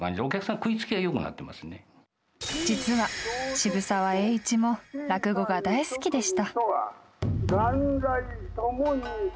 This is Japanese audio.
渋沢栄一も落語が大好きでした。